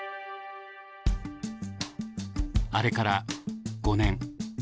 あれから５年。